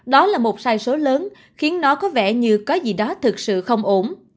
đó là một sai số lớn khiến nó có vẻ như có gì đó thực sự không ổn